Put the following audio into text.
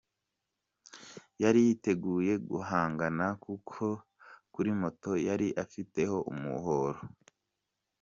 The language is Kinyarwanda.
Yari yiteguye guhangana kuko no kuri moto yari afiteho umuhoro.